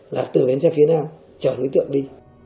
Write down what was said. là từ bến xe phía nam chở đối tượng đi